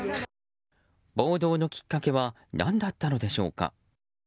暴動のきっかけは何だったのでしょうか。